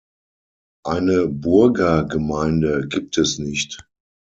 Eine Burgergemeinde gibt es nicht.